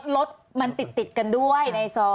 รถมันติดกันด้วยในซอย